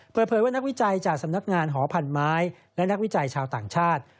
เปิดเผยว่านักวิจัยจากสำนักงานหอพันไม้และนักวิจัยชาวต่างชาติ